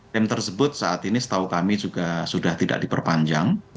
tim tersebut saat ini setahu kami juga sudah tidak diperpanjang